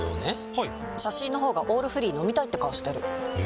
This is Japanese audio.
はい写真の方が「オールフリー」飲みたいって顔してるえ？